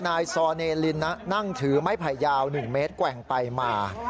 นายซอเนลินนั่งถือไม้ไผ่ยาว๑เมตรแกว่งไปมา